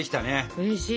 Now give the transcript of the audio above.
うれしい！